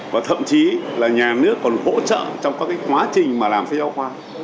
và thậm chí là nhà nước còn hỗ trợ trong các cái quá trình mà làm sách giáo khoa